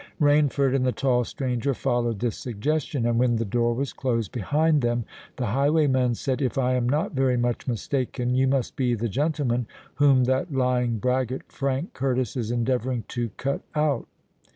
Rainford and the tall stranger followed this suggestion; and when the door was closed behind them, the highwayman said, "If I am not very much mistaken, you must be the gentleman whom that lying braggart Frank Curtis is endeavouring to cut out?"